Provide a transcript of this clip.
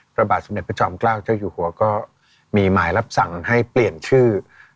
พระบาทสมเด็จพระจอมเกล้าเจ้าอยู่หัวก็มีหมายรับสั่งให้เปลี่ยนชื่อ